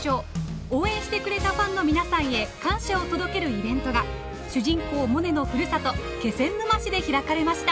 応援してくれたファンの皆さんへ感謝を届けるイベントが主人公モネのふるさと・気仙沼市で開かれました。